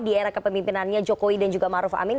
di era kepemimpinannya jokowi dan juga maruf amin